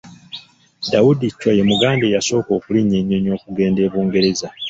Daudi Chwa ye muganda eyasooka okulinnya ennyonyi okugenda e Bungereza.